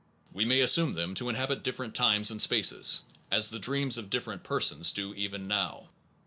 We may assume them to inhabit different times and spaces, as the dreams of different persons do even now.